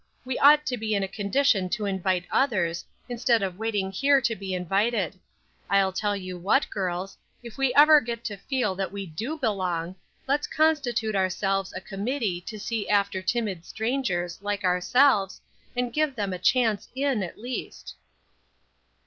"We ought to be in a condition to invite others, instead of waiting here to be invited. I'll tell you what, girls, if we ever get to feel that we do belong, let's constitute ourselves a committee to see after timid strangers, like ourselves, and give them a chance in, at least."